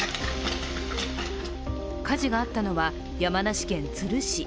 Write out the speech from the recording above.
火事があったのは山梨県都留市。